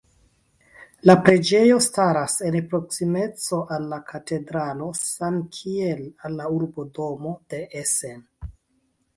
La preĝejo staras en proksimeco al la katedralo samkiel al la urbodomo de Essen.